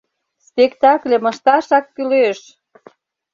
— Спектакльым ышташак кӱлеш!